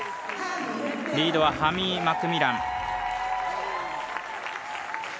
リードはハミー・マクミラン。